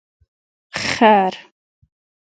🫏 خر